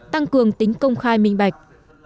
tăng cường tính công khai minh bạch